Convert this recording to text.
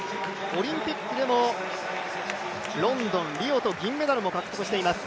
オリンピックでもロンドン、リオと銀メダルを獲得しています。